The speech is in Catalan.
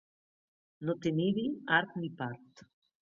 No tenir-hi art ni part.